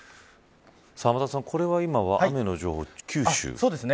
天達さん、これは今は雨の情報、九州ですか。